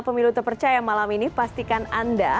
pemilu terpercaya malam ini pastikan anda